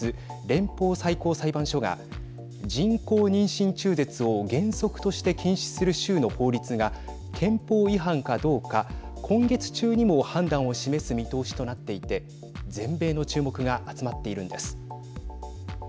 連邦最高裁判所が人工妊娠中絶を原則として禁止する州の法律が憲法違反かどうか今月中にも判断を示す見通しとなっていて全米の注目が集まっているんです。